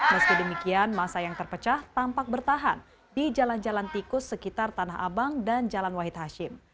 meski demikian masa yang terpecah tampak bertahan di jalan jalan tikus sekitar tanah abang dan jalan wahid hashim